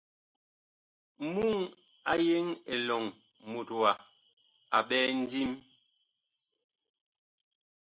Muŋ a yeŋ elɔŋ mut wa a ɓɛɛ ndim.